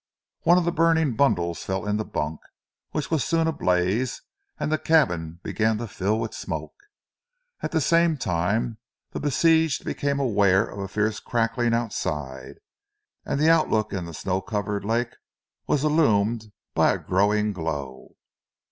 One of the burning bundles fell in the bunk, which was soon ablaze, and the cabin began to fill with smoke. At the same time the besieged became aware of a fierce crackling outside, and the outlook in the snow covered lake was illumined by a growing glow.